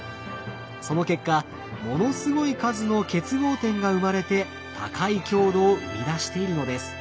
その結果ものすごい数の結合点が生まれて高い強度を生み出しているのです。